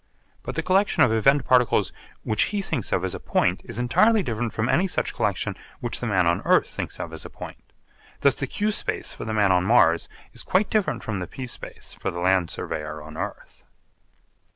But the collection of event particles which he thinks of as a point is entirely different from any such collection which the man on earth thinks of as a point. Thus the q space for the man on Mars is quite different from the p space for the land surveyor on earth.